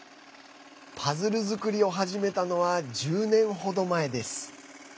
パズル作りを始めたのは１０年程前です。